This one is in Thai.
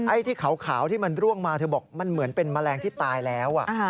ไอ้ที่ขาวที่มันร่วงมาเธอบอกมันเหมือนเป็นแมลงที่ตายแล้ว